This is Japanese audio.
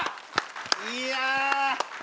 いや。